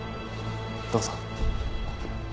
どうぞ。